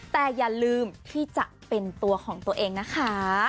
แต่อย่าลืมที่จะเป็นตัวของตัวเองนะคะ